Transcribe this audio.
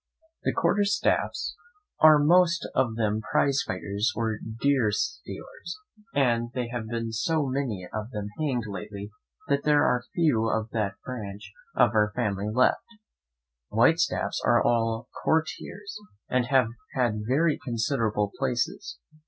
The Quarterstaffs are most of them prize fighters or deer stealers; there have been so many of them hanged lately that there are very few of that branch of our family left. The Whitestaffs are all courtiers, and have had very considerable places.